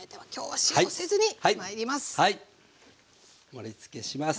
盛りつけします。